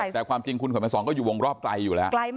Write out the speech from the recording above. แต่ความจริงคุณขวัญภัณฑ์สองก็อยู่วงรอบไกลอยู่แล้ว